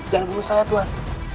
jangan bunuh saya tuhan